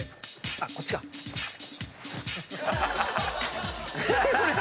あっこっちか。